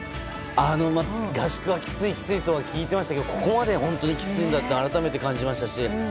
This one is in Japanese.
合宿はきついと聞いていましたけどここまで本当にきついんだって改めて感じましたし